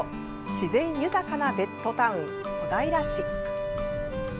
自然豊かなベッドタウン、小平市。